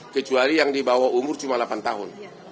kecuali yang di bawah umur cuma delapan tahun